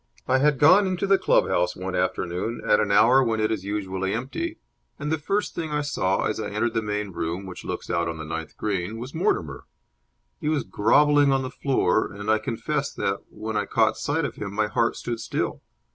I had gone into the club house one afternoon at an hour when it is usually empty, and the first thing I saw, as I entered the main room, which looks out on the ninth green, was Mortimer. He was grovelling on the floor, and I confess that, when I caught sight of him, my heart stood still.